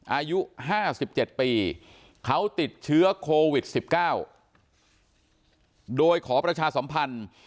อายุ๕๗ปีเขาติดเชื้อโควิด๑๙โดยขอประชาสัมพันธ์